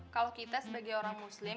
kalau kita sebagai orang muslim